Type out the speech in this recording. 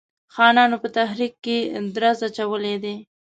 خانانو په تحریک کې درز اچولی دی.